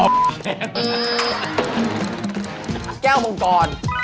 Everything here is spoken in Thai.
แก้วบองตอน